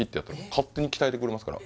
「勝手に鍛えてくれますから」